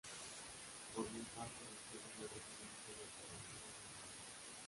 Formó parte del segundo regimiento de caballería blindada.